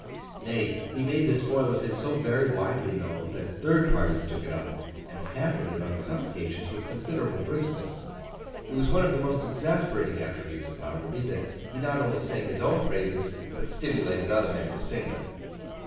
Nay, he made this foil of his so very widely known, that third parties took it up, and handled it on some occasions with considerable briskness. It was one of the most exasperating attributes of Bounderby, that he not only sang his own praises but stimulated other men to sing them.